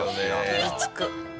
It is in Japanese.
傷つく。